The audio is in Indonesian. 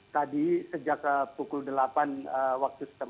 tadi sejak pukul delapan waktu setempat